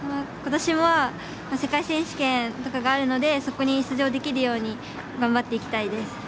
ことしは世界選手権とかがあるのでそこに出場できるように頑張っていきたいです。